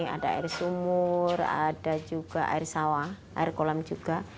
ada air sumur ada juga air sawah air kolam juga